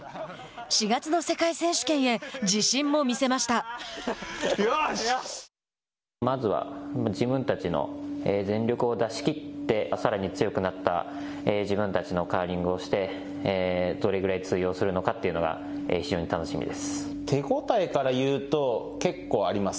４月の世界選手権へまずは自分たちの全力を出しきってさらに強くなった自分たちのカーリングをしてどれくらい通用するのかというの手応えからいうと結構あります。